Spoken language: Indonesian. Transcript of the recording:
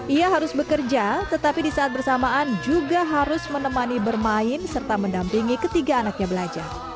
ia harus bekerja tetapi di saat bersamaan juga harus menemani bermain serta mendampingi ketiga anaknya belajar